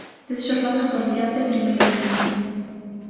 Dez xornadas por diante en Primeira División.